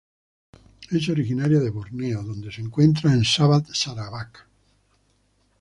Es originaria de Borneo, donde se encuentra en Sabah, Sarawak.